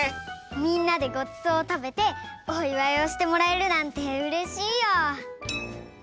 みんなでごちそうをたべておいわいをしてもらえるなんてうれしいよ。